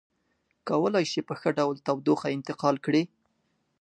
کولی شي په ښه ډول تودوخه انتقال کړي.